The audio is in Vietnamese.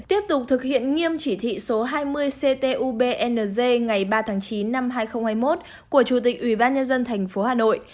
tiếp tục thực hiện nghiêm chỉ thị số hai mươi ctubng ngày ba tháng chín năm hai nghìn hai mươi một của chủ tịch ủy ban nhân dân tp hà nội